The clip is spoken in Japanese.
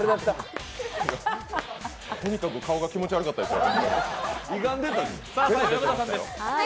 とにかく顔が気持ち悪かったですよ。